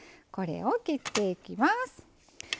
これを切っていきます。